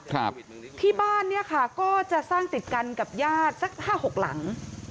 ครับที่บ้านเนี้ยค่ะก็จะสร้างติดกันกับญาติสักห้าหกหลัง